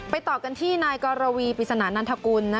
ต่อกันที่นายกรวีปริศนานันทกุล